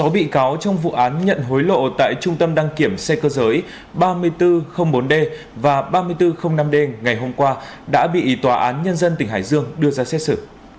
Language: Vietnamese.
sáu bị cáo trong vụ án nhận hối lộ tại trung tâm đăng kiểm xe cơ giới ba nghìn bốn trăm linh bốn d và ba nghìn bốn trăm linh năm d ngày hôm qua đã bị tòa án nhân dân tỉnh hải dương đưa ra xét xử